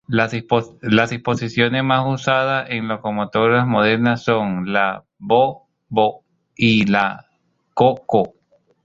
Las disposiciones más usadas en locomotoras modernas son la Bo′Bo′ y la Co′Co′.